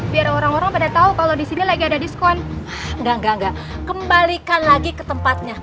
biar orang orang bisa tau kalo disini lagi ada diskon